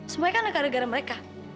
semuanya kan gara gara mereka